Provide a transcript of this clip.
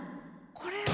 これは。